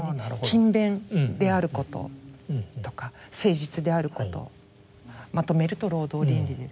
勤勉であることとか誠実であることまとめると労働倫理。